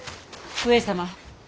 上様！